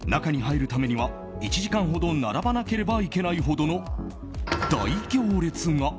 中に入るためには１時間ほど並ばなければいけないほどの大行列が。